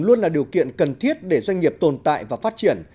luôn là điều kiện cần thiết để doanh nghiệp tồn tại và phát triển